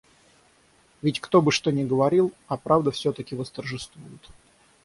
Ведь кто бы что ни говорил, А правда всё-таки восторжествует.